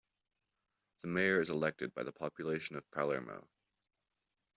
The Mayor is elected by the population of Palermo.